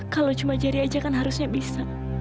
kalau cuma jari aja kan harusnya bisa